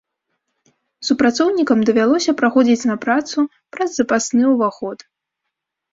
Супрацоўнікам давялося праходзіць на працу праз запасны ўваход.